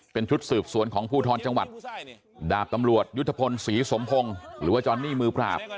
เป็นชุดสืบสวนของภูทรจังหวัดดาบตำรวจยุทธพลศรีสมพงศ์หรือว่าจอนนี่มือปราบ